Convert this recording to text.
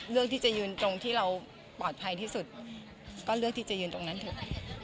เลือกที่จะยืนตรงที่เราปลอดภัยที่สุดก็เลือกที่จะยืนตรงนั้นเถอะ